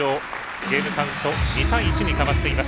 ゲームカウント２対１に変わっています。